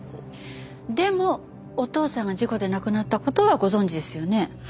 でもお父さんが事故で亡くなった事はご存じですよね？